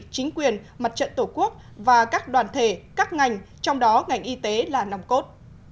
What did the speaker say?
chính quyền mặt trận tổ quốc và các đoàn thể các ngành trong đó ngành y tế là nòng cốt